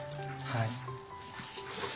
はい。